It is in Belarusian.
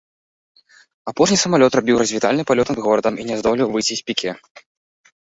Апошні самалёт рабіў развітальны палёт над горадам і не здолеў выйсці з піке.